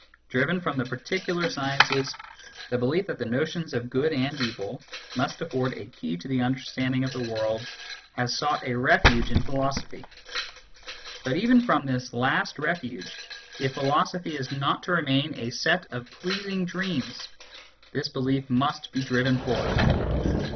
Driven from the particular sciences, the belief that the notions of good and evil must afford a key to the understanding of the world has sought a refuge in philosophy. But even from this last refuge, if philosophy is not to remain a set of pleasing dreams, this belief must be driven forth.